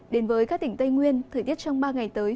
đến với các tỉnh tây nguyên thời tiết trong ba ngày tới